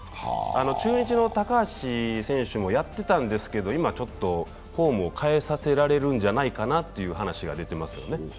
中日の高橋選手もやってたんですけど、今、フォームを変えさせられるんじゃないかなという話が出てます。